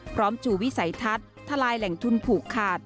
จู่วิสัยทัศน์ทลายแหล่งทุนผูกขาด